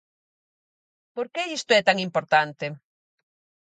¿Por que isto é tan importante?